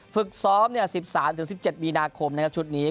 ฝึกซ้อม๑๓๑๗มีนาคมนะครับชุดนี้